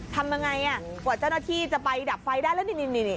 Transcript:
ทำยังไงกว่าเจ้าหน้าที่จะไปดับไฟได้แล้วนี่